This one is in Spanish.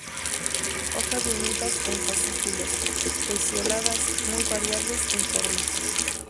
Hojas reunidas en fascículos, pecioladas, muy variables en formas.